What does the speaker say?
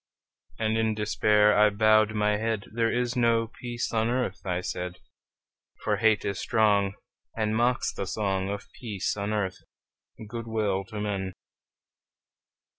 And in despair I bowed my head; "There is no peace on earth," I said: "For hate is strong, And mocks the song Of peace on earth, good will to men!"